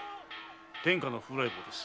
天下の風来坊です。